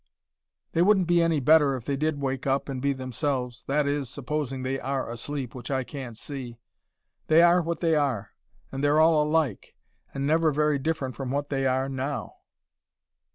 "They wouldn't be any better if they did wake up and be themselves that is, supposing they are asleep, which I can't see. They are what they are and they're all alike and never very different from what they are now."